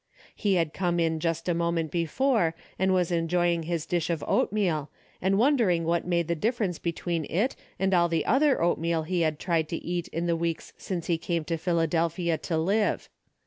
He had come in just a moment before, and was enjoying his dish of oatmeal and wondering what made the difference between it and all the other oat meal he had tried to eat in the weeks since he came to Philadelphia to live.